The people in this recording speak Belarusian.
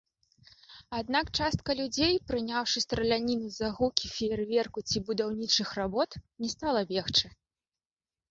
Аднак частка людзей, прыняўшы страляніну за гукі феерверку ці будаўнічых работ, не стала бегчы.